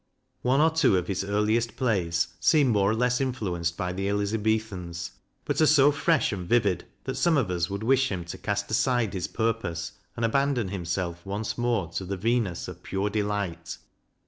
One or two of his earliest plays seem more or less influenced by the Elizabethans, but are so fresh and vivid that some of us would wish him to cast aside his purpose, and abandon himself once more to the Venus of pure delight.